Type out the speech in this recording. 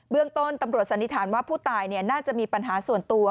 เรื่องต้นตำรวจสันนิษฐานว่าผู้ตายน่าจะมีปัญหาส่วนตัว